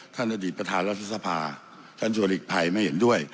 ท่านอดีตประธานรัฐภษภาท่านจริกไพรมันเห็นด้วย